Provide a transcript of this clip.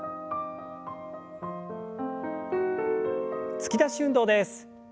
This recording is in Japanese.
突き出し運動です。